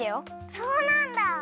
そうなんだ。